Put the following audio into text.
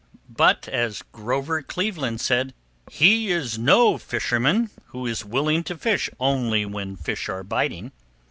But, as Grover Cleveland said: "He is no true fisherman who is willing to fish only when fish are biting."